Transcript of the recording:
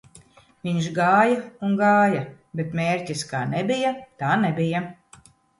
Viņš gāja un gāja, bet mērķis kā nebija tā nebija